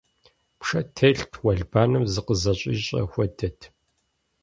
Пшэ телът, уэлбанэм зыкъызэщӀищӀэ хуэдэт.